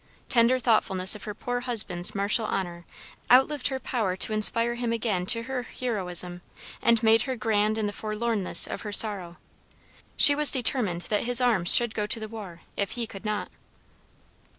Tender thoughtfulness of her poor husband's martial honor outlived her power to inspire him again to her heroism, and made her grand in the forlornness of her sorrow. She was determined that his arms should go to the war, if he could not.